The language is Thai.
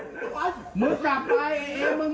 ลูกบ๊าบมัวก่อนใจเย็น